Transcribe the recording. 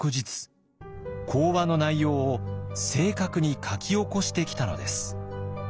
講話の内容を正確に書き起こしてきたのです。